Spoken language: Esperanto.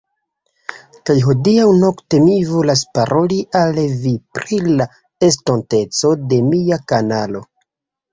Kaj hodiaŭ-nokte mi volas paroli al vi pri la estonteco de mia kanalo